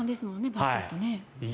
バスケット。